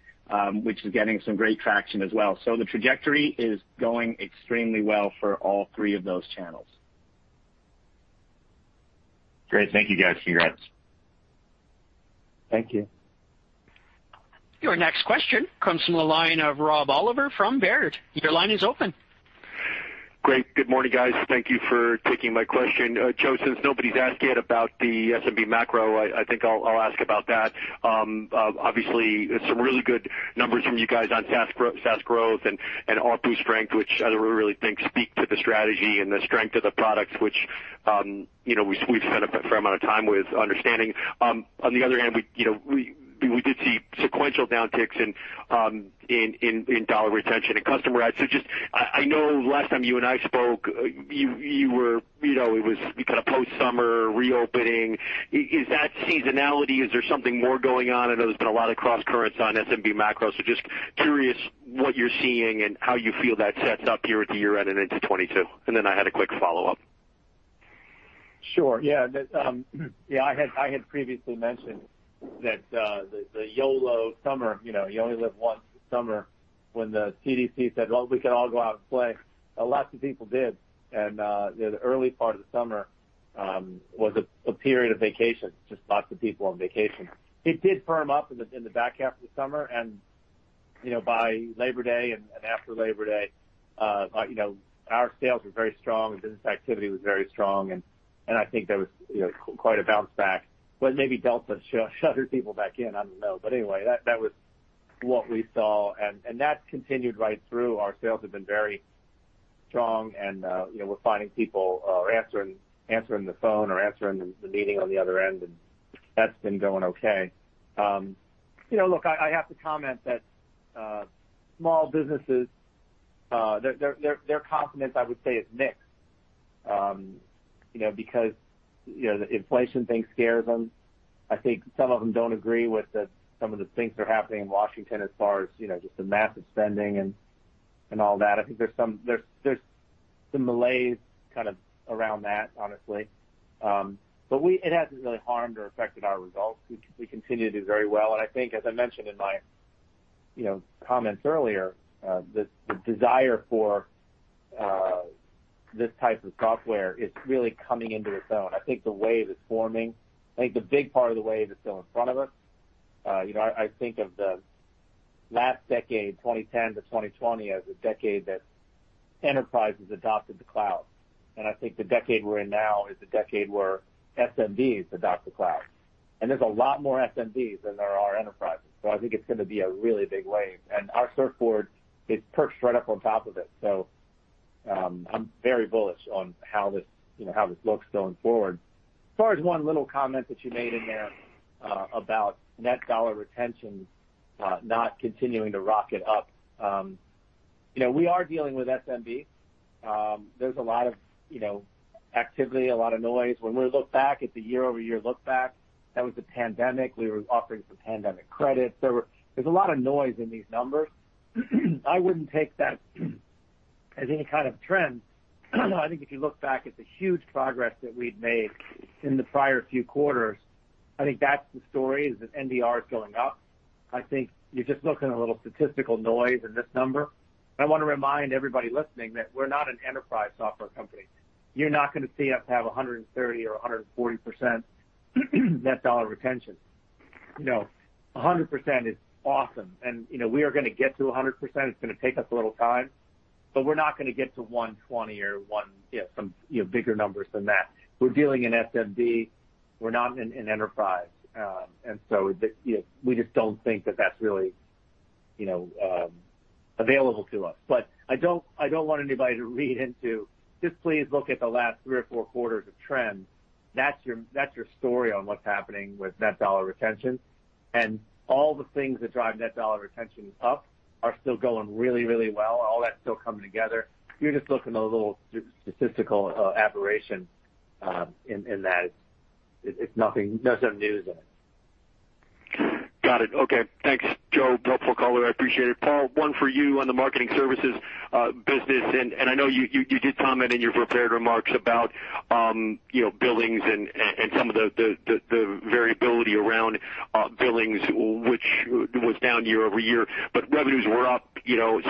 which is getting some great traction as well. The trajectory is going extremely well for all three of those channels. Great. Thank you, guys. Congrats. Thank you. Your next question comes from the line of Rob Oliver from Baird. Your line is open. Great. Good morning, guys. Thank you for taking my question. Joe, since nobody's asked yet about the SMB macro, I think I'll ask about that. Obviously some really good numbers from you guys on SaaS growth and ARPU strength, which I really think speak to the strategy and the strength of the products which, you know, we've spent a fair amount of time understanding. On the other hand, we did see sequential downticks in dollar retention and customer adds. Just, I know last time you and I spoke, you were, you know, it was kind of post-summer reopening. Is that seasonality? Is there something more going on? I know there's been a lot of cross currents on SMB macro, so just curious what you're seeing and how you feel that sets up here at the year end and into 2022. I had a quick follow-up. Sure. Yeah. I had previously mentioned that the YOLO summer, you know, you only live once summer when the CDC said, "Well, we can all go out and play." Lots of people did. The early part of the summer was a period of vacation, just lots of people on vacation. It did firm up in the back half of the summer. You know, by Labor Day and after Labor Day, you know, our sales were very strong, business activity was very strong, and I think there was, you know, quite a bounce back. Maybe Delta shuttered people back in. I don't know. Anyway, that was what we saw, and that's continued right through. Our sales have been very strong, and you know, we're finding people answering the phone or answering the meeting on the other end, and that's been going okay. You know, look, I have to comment that small businesses their confidence, I would say, is mixed, you know, because you know, the inflation thing scares them. I think some of them don't agree with some of the things that are happening in Washington as far as you know, just the massive spending and all that. I think there's some malaise kind of around that, honestly. It hasn't really harmed or affected our results. We continue to do very well. I think, as I mentioned in my, you know, comments earlier, the desire for this type of software is really coming into its own. I think the wave is forming. I think the big part of the wave is still in front of us. You know, I think of the last decade, 2010 to 2020, as a decade that enterprises adopted the cloud. I think the decade we're in now is the decade where SMBs adopt the cloud. There's a lot more SMBs than there are enterprises. I think it's gonna be a really big wave. Our surfboard is perched right up on top of it. I'm very bullish on how this, you know, how this looks going forward. As far as one little comment that you made in there, about net dollar retention, not continuing to rocket up. You know, we are dealing with SMB. There's a lot of, you know, activity, a lot of noise. When we look back at the year-over-year look back, that was a pandemic. We were offering some pandemic credit. There's a lot of noise in these numbers. I wouldn't take that as any kind of trend. I think if you look back at the huge progress that we've made in the prior few quarters, I think that's the story, is that NDR is going up. I think you're just looking at a little statistical noise in this number. I wanna remind everybody listening that we're not an enterprise software company. You're not gonna see us have 130 or 140% net dollar retention. You know, 100% is awesome. You know, we are gonna get to 100%. It's gonna take us a little time, but we're not gonna get to 120 or one, you know, some, you know, bigger numbers than that. We're dealing in SMB. We're not in enterprise. You know, we just don't think that that's really, you know, available to us. But I don't want anybody to read into it. Just please look at the last 3-or-4 quarters of trend. That's your story on what's happening with net dollar retention. All the things that drive net dollar retention up are still going really, really well. All that's still coming together. You're just looking at a little statistical aberration in that. It's nothing. There's no news in it. Got it. Okay. Thanks, Joe. Helpful color. I appreciate it. Paul, one for you on the Marketing Services business. I know you did comment in your prepared remarks about, you know, billings and some of the variability around billings, which was down year-over-year, but revenues were up, you know.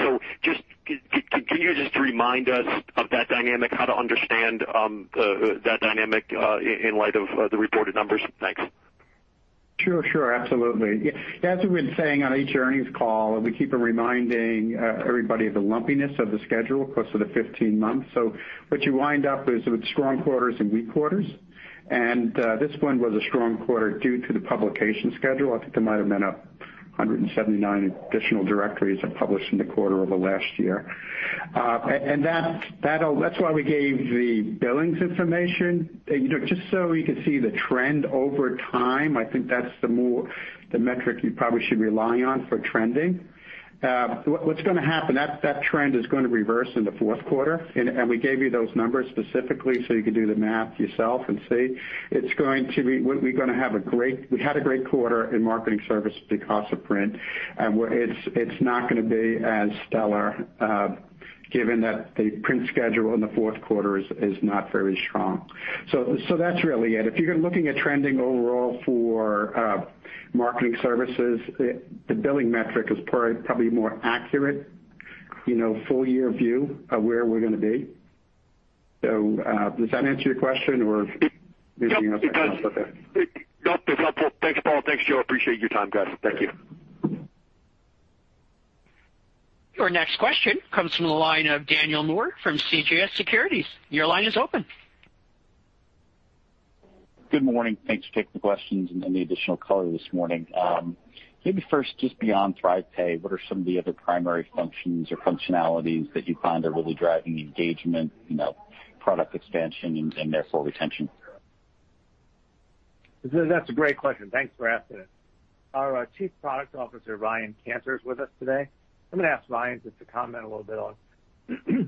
Could you just remind us of that dynamic, how to understand that dynamic in light of the reported numbers? Thanks. Sure, sure. Absolutely. As we've been saying on each earnings call, and we keep reminding everybody of the lumpiness of the schedule across the 15 months. What you wind up is with strong quarters and weak quarters. This one was a strong quarter due to the publication schedule. I think there might have been 179 additional directories published in the quarter over last year. That's why we gave the billings information, you know, just so we could see the trend over time. I think that's the metric you probably should rely on for trending. What's gonna happen, that trend is gonna reverse in Q4. We gave you those numbers specifically so you could do the math yourself and see. We're gonna have a great We had a great quarter in Marketing Services because of print, and it's not gonna be as stellar, given that the print schedule in Q4 is not very strong. That's really it. If you're looking at trending overall for Marketing Services, the billing metric is probably more accurate, you know, full-year view of where we're gonna be. Does that answer your question, or anything else? Yep, it does. Yep. That's helpful. Thanks, Paul. Thanks, Joe. Appreciate your time, guys. Thank you. Your next question comes from the line of Daniel Moore from CJS Securities. Your line is open. Good morning. Thanks for taking the questions and the additional color this morning. Maybe first, just beyond ThryvPay, what are some of the other primary functions or functionalities that you find are really driving engagement, you know, product expansion and therefore retention? That's a great question. Thanks for asking it. Our Chief Product Officer, Ryan Cantor, is with us today. I'm gonna ask Ryan just to comment a little bit on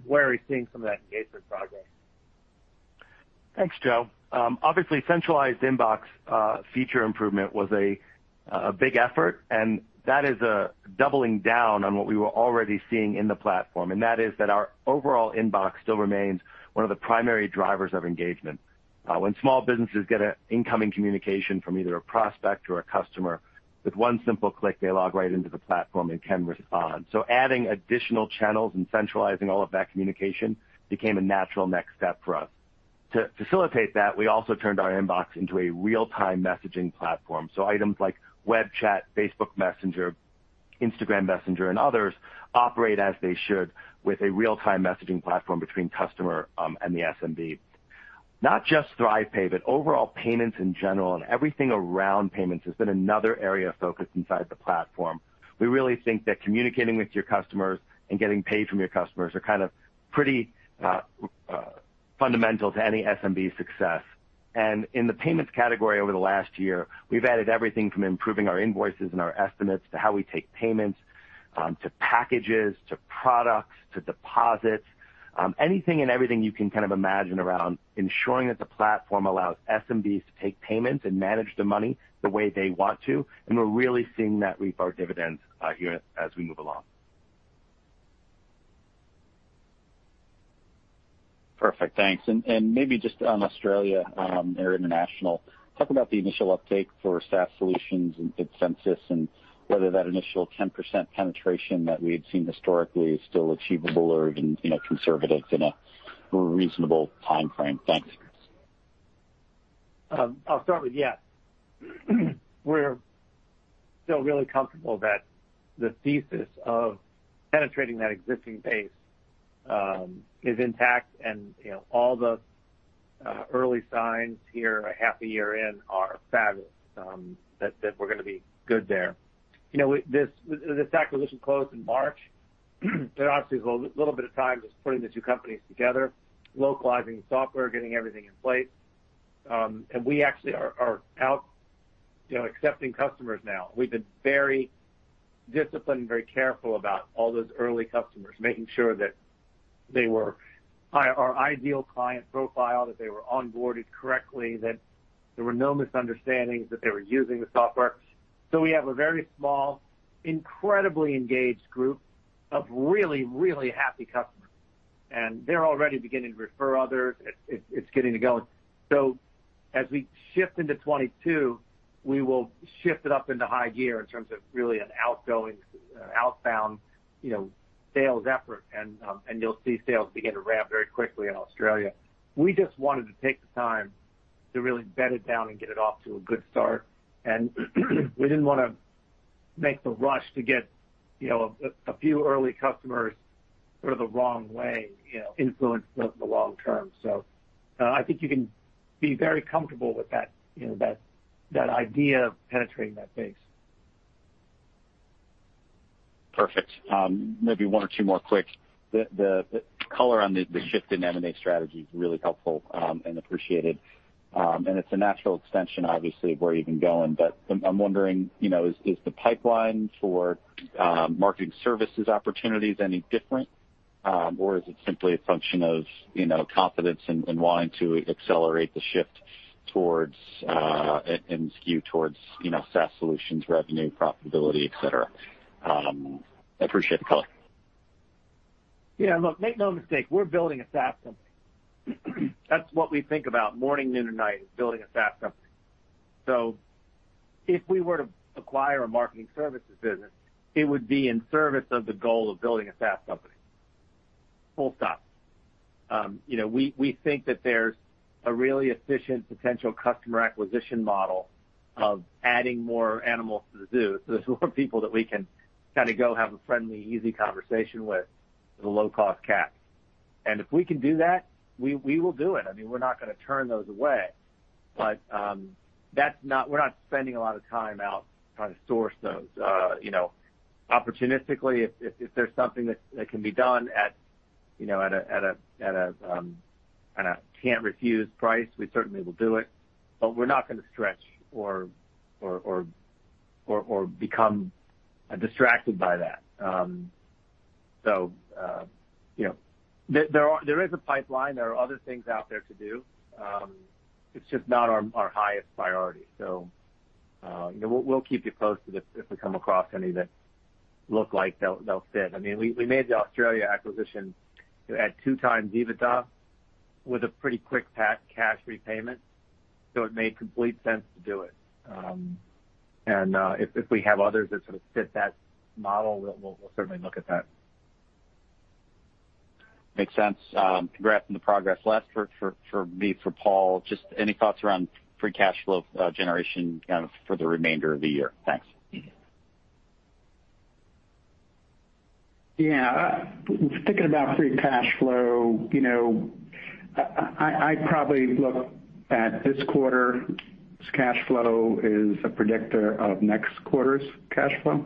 where we're seeing some of that engagement progress. Thanks, Joe. Obviously centralized inbox feature improvement was a big effort, and that is doubling down on what we were already seeing in the platform, and that is that our overall inbox still remains one of the primary drivers of engagement. When small businesses get an incoming communication from either a prospect or a customer, with one simple click, they log right into the platform and can respond. Adding additional channels and centralizing all of that communication became a natural next step for us. To facilitate that, we also turned our inbox into a real-time messaging platform. Items like web chat, Facebook Messenger, Instagram Direct, and others operate as they should with a real-time messaging platform between customer and the SMB. Not just ThryvPay, but overall payments in general and everything around payments has been another area of focus inside the platform. We really think that communicating with your customers and getting paid from your customers are kind of pretty fundamental to any SMB success. In the payments category over the last year, we've added everything from improving our invoices and our estimates to how we take payments, to packages, to products, to deposits. Anything and everything you can kind of imagine around ensuring that the platform allows SMBs to take payments and manage the money the way they want to. We're really seeing that reap our dividends here as we move along. Perfect. Thanks. Maybe just on Australia, or international, talk about the initial uptake for SaaS solutions and Sensis and whether that initial 10% penetration that we had seen historically is still achievable or even, you know, conservative in a reasonable timeframe? Thanks. I'll start with yes. We're still really comfortable that the thesis of penetrating that existing base is intact. You know, all the early signs here half a year in are fabulous that we're gonna be good there. You know, this acquisition closed in March. There obviously is a little bit of time just putting the two companies together, localizing software, getting everything in place. We actually are out, you know, accepting customers now. We've been very disciplined and very careful about all those early customers, making sure that they were our ideal client profile, that they were onboarded correctly, that there were no misunderstandings, that they were using the software. So we have a very small, incredibly engaged group of really happy customers. They're already beginning to refer others. It's getting it going. As we shift into 2022, we will shift it up into high-gear in terms of really an outgoing, outbound, you know, sales effort. You'll see sales begin to ramp very quickly in Australia. We just wanted to take the time to really bed it down and get it off to a good start. We didn't wanna make the rush to get, you know, a few early customers sort of the wrong way, you know, influence the long-term. I think you can be very comfortable with that, you know, that idea of penetrating that base. Perfect. Maybe one or two more quick. The color on the shift in M&A strategy is really helpful and appreciated. It's a natural extension, obviously, of where you've been going. I'm wondering, you know, is the pipeline for Marketing Services opportunities any different? Or is it simply a function of, you know, confidence and wanting to accelerate the shift towards and skew towards, you know, SaaS solutions, revenue, profitability, et cetera? Appreciate the color. Yeah, look, make no mistake, we're building a SaaS company. That's what we think about morning, noon, and night, is building a SaaS company. If we were to acquire a Marketing Services business, it would be in service of the goal of building a SaaS company. Full stop. You know, we think that there's a really efficient potential customer acquisition model of adding more animals to the zoo. So there's more people that we can kind of go have a friendly, easy conversation with at a low-cost CAC. And if we can do that, we will do it. I mean, we're not gonna turn those away. We're not spending a lot of time out trying to source those. You know, opportunistically, if there's something that can be done at a can't refuse price, we certainly will do it. But we're not gonna stretch or become distracted by that. There is a pipeline. There are other things out there to do. It's just not our highest priority. You know, we'll keep you posted if we come across any that look like they'll fit. I mean, we made the Australia acquisition at 2x EBITDA with a pretty quick payback, so it made complete sense to do it. If we have others that sort of fit that model, we'll certainly look at that. Makes sense. Congrats on the progress. Last for me, for Paul, just any thoughts around free cash flow generation kind of for the remainder of the year? Thanks. Yeah. Thinking about free cash flow, you know, I probably look at this quarter's cash flow is a predictor of next quarter's cash flow.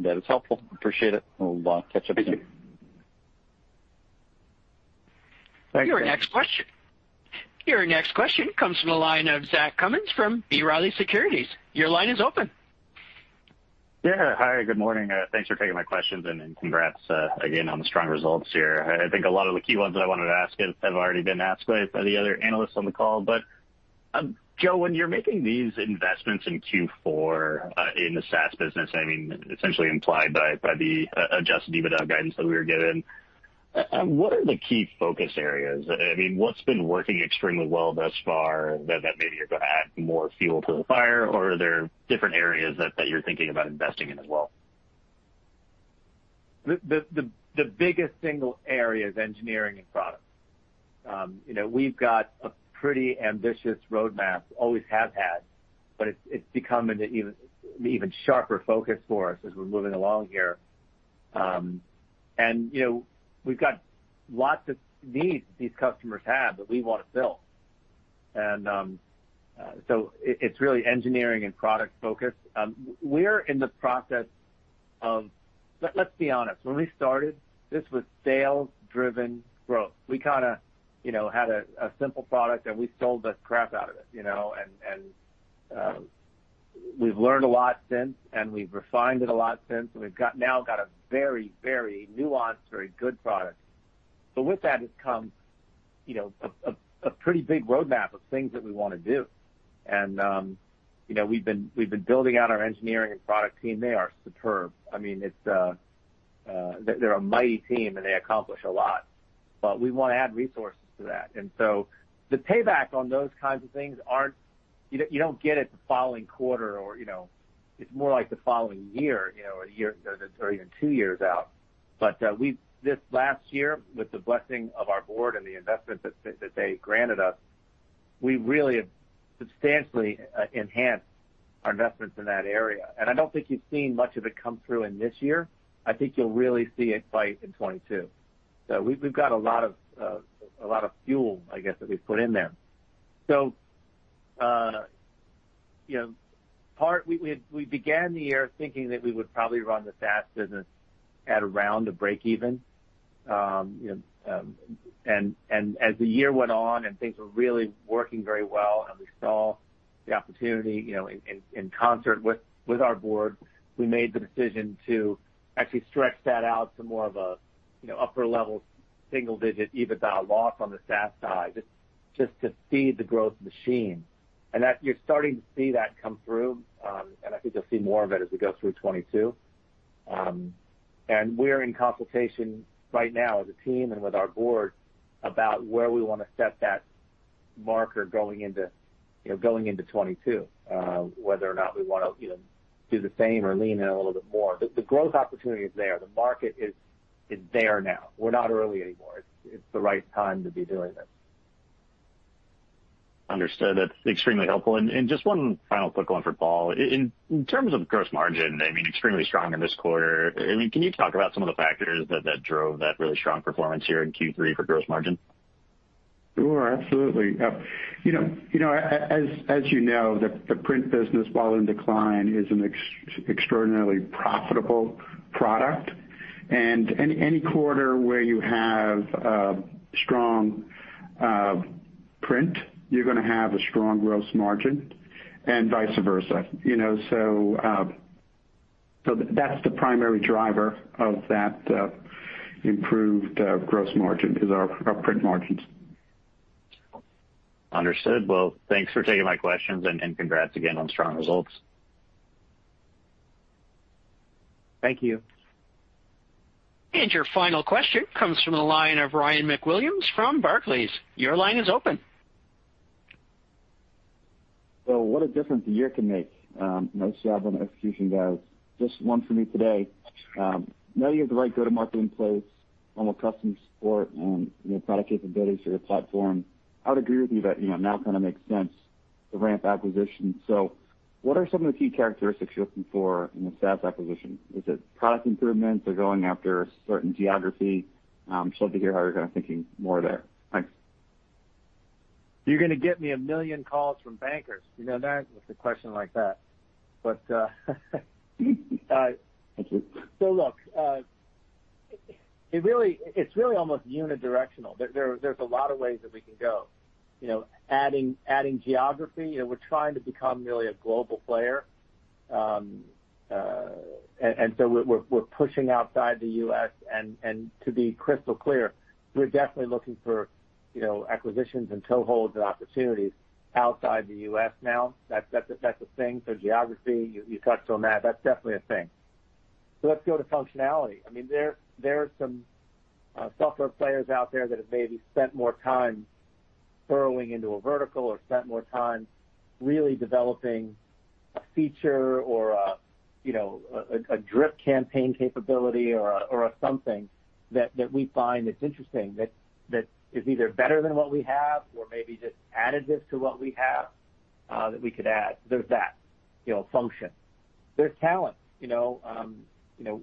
That is helpful. Appreciate it. We'll catch up soon. Thank you. Thanks. Your next question comes from the line of Zach Cummins from B. Riley Securities. Your line is open. Yeah. Hi, good morning. Thanks for taking my questions and congrats again on the strong results here. I think a lot of the key ones that I wanted to ask have already been asked by the other analysts on the call. Joe, when you're making these investments in Q4 in the SaaS business, I mean, essentially implied by the adjusted EBITDA guidance that we were given, what are the key focus areas? I mean, what's been working extremely well thus far that maybe you're gonna add more fuel to the fire, or are there different areas that you're thinking about investing in as well? The biggest single area is engineering and product. You know, we've got a pretty ambitious roadmap, always have had, but it's become an even sharper focus for us as we're moving along here. You know, we've got lots of needs these customers have that we want to fill. It's really engineering and product-focused. We're in the process of. Let's be honest. When we started, this was sales-driven growth. We kinda, you know, had a simple product, and we sold the crap out of it, you know. We've learned a lot since, and we've refined it a lot since, and we've now got a very nuanced, very good product. With that has come, you know, a pretty big roadmap of things that we wanna do. You know, we've been building out our engineering and product team. They are superb. I mean, it's, they're a mighty team, and they accomplish a lot. We wanna add resources to that. The payback on those kinds of things aren't. You don't get it the following quarter or, you know. It's more like the following year, you know, or a year or even two-years out. We, this last year, with the blessing of our board and the investment that they granted us, we really have substantially enhanced our investments in that area. I don't think you've seen much of it come through in this year. I think you'll really see it bite in 2022. We've got a lot of fuel, I guess, that we've put in there. You know, we began the year thinking that we would probably run the SaaS business at around a breakeven. You know, and as the year went on and things were really working very well and we saw the opportunity, you know, in concert with our board, we made the decision to actually stretch that out to more of a, you know, upper level single-digit EBITDA loss on the SaaS side just to feed the growth machine. You're starting to see that come through. I think you'll see more of it as we go through 2022. We're in consultation right now as a team and with our board about where we wanna set that marker going into, you know, going into 2022, whether or not we wanna, you know, do the same or lean in a little bit more. The growth opportunity is there. The market is there now. We're not early anymore. It's the right time to be doing this. Understood. That's extremely helpful. Just one final quick one for Paul. In terms of gross margin, I mean, extremely strong in this quarter. I mean, can you talk about some of the factors that drove that really strong performance here in Q3 for gross margin? Sure. Absolutely. You know, as you know, the print business, while in decline, is an extraordinarily profitable product. Any quarter where you have strong print, you're gonna have a strong gross margin and vice versa, you know? That's the primary driver of that improved gross margin is our print margins. Understood. Well, thanks for taking my questions, and congrats again on strong results. Thank you. Your final question comes from the line of Ryan MacWilliams from Barclays. Your line is open. What a difference a year can make. Nice job on the execution, guys. Just one for me today. Now you have the right go-to-market in place, normal customer support and, you know, product capabilities for your platform. I would agree with you that, you know, now it kind of makes sense to ramp acquisitions. What are some of the key characteristics you're looking for in a SaaS acquisition? Is it product improvements or going after a certain geography? Just love to hear how you're kind of thinking more there. Thanks. You're gonna get me a million calls from bankers, you know that, with a question like that. Thank you. Look, it really almost unidirectional. There's a lot of ways that we can go, you know. Adding geography, you know, we're trying to become really a global player. We're pushing outside the U.S. To be crystal clear, we're definitely looking for, you know, acquisitions and toeholds and opportunities outside the U.S. now. That's a thing. Geography, you touched on that. That's definitely a thing. Let's go to functionality. I mean, there are some software players out there that have maybe spent more time burrowing into a vertical or spent more time really developing a feature or a, you know, a drip campaign capability or a something that we find that's interesting that is either better than what we have or maybe just additive to what we have, that we could add. There's that, you know, function. There's talent, you know. You know,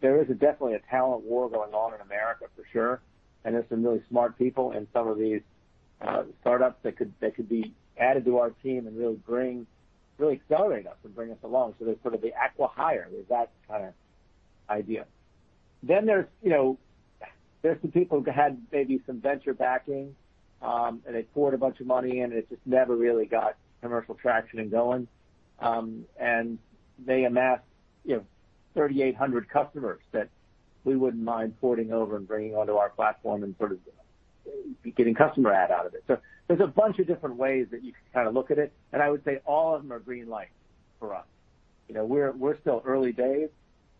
there is definitely a talent war going on in America for sure, and there's some really smart people in some of these startups that could be added to our team and really bring really accelerate us and bring us along. There's sort of the acqui-hire. There's that kind of idea. There's, you know, there's some people who had maybe some venture backing, and they poured a bunch of money in, and it just never really got commercial traction and going. And they amassed, you know, 3,800 customers that we wouldn't mind porting over and bringing onto our platform and sort of getting customer add out of it. So there's a bunch of different ways that you can kind of look at it, and I would say all of them are green lights for us. You know, we're still early days.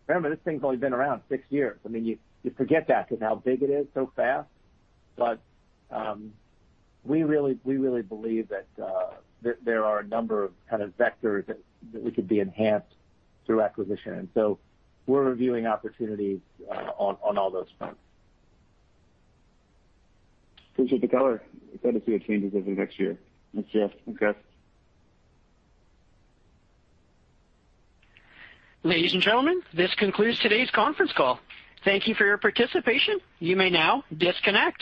Remember, this thing's only been around 6-years. I mean, you forget that with how big it is so fast. We really believe that there are a number of kind of vectors that we could be enhanced through acquisition. We're reviewing opportunities on all those fronts. Appreciate the color. Excited to see what changes over the next year. Thanks, Joe. Congrats. Ladies and gentlemen, this concludes today's Conference Call. Thank you for your participation. You may now disconnect.